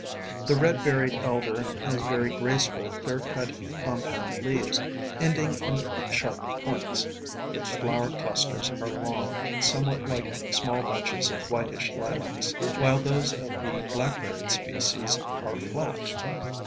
The Red berried Elder has very graceful, clear cut compound leaves, ending in sharp points. Its flower clusters are long, somewhat like small bunches of whitish Lilacs, while those of the Black berried spe cies are flat.